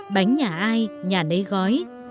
bánh nhà ai nhà nấy gói